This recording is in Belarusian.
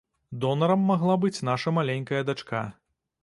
Донарам магла быць наша маленькая дачка.